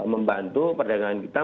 membantu perdagangan kita